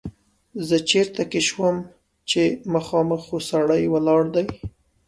زه چرت کې شوم چې مخامخ خو سړی ولاړ دی!